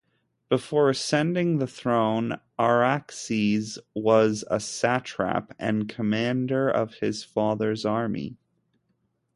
Before ascending the throne Artaxerxes was a satrap and commander of his father's army.